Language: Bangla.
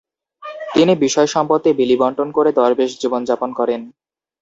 তিনি বিষয় সম্পত্তি বিলিবণ্টন করে দরবেশ-জীবন যাপন করেন।